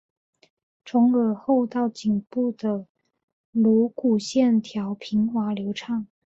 从耳后到颈部的颅骨线条平滑流畅。